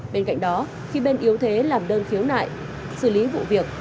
bên cạnh đó khi bên yếu thế làm đơn khiếu nại xử lý vụ việc